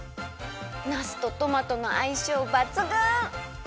なすとトマトのあいしょうばつぐん！